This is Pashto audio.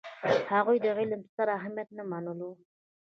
هغوی د علم ستر اهمیت نه منلو.